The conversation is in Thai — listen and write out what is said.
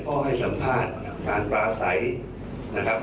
เพราะให้สัมภาษณ์สำคัญปลาใสนะครับ